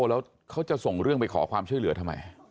แล้วเขาจะส่งเรื่องไปขอความช่วยเหลือทำไม